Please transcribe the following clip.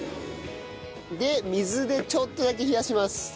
で水でちょっとだけ冷やします。